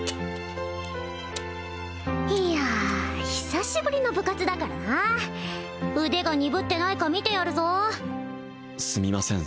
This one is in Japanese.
いや久しぶりの部活だからな腕が鈍ってないか見てやるぞすみません